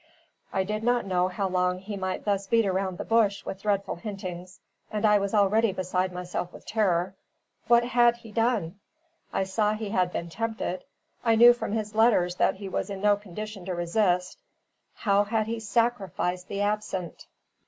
I did not know how long he might thus beat about the bush with dreadful hintings, and I was already beside myself with terror. What had he done? I saw he had been tempted; I knew from his letters that he was in no condition to resist. How had he sacrificed the absent?